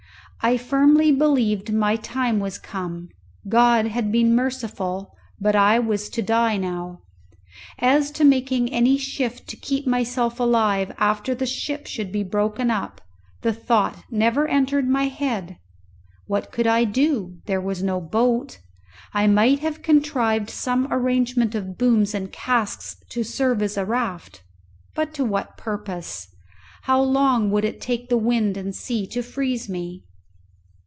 I firmly believed my time was come. God had been merciful, but I was to die now. As to making any shift to keep myself alive after the ship should be broken up, the thought never entered my head. What could I do? There was no boat. I might have contrived some arrangement of booms and casks to serve as a raft, but to what purpose? How long would it take the wind and sea to freeze me?